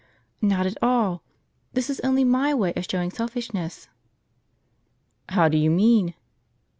" JSTot at all ; this is only nii/ way of showing selfishness." " How do you mean